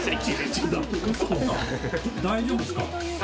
大丈夫ですか。